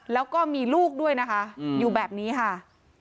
แล้วก็มีลูกด้วยนะคะอยู่แบบนี้ค่ะ